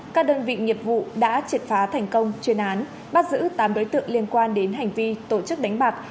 các đơn vị nghiệp vụ đã triệt phá thành công chuyên án bắt giữ tám đối tượng liên quan đến hành vi tổ chức đánh bạc